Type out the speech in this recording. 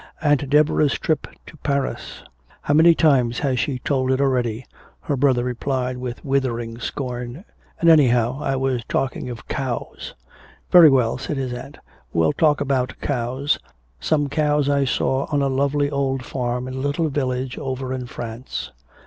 "Aunt Deborah's trip to Paris!" "How many times has she told it already?" her brother replied with withering scorn. "And anyhow, I was talking of cows!" "Very well," said his aunt, "we'll talk about cows, some cows I saw on a lovely old farm in a little village over in France."